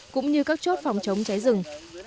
cũng như các chốt phòng chống cháy rừng